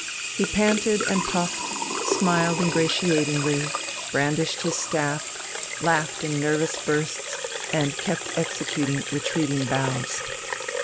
He panted and puffed, smiled ingratiatingly, brandished his staff, laughed in nervous bursts, and kept executing retreating bows.